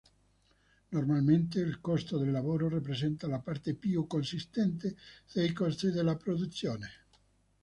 Normalmente il costo del lavoro rappresenta la parte più consistente dei costi della produzione.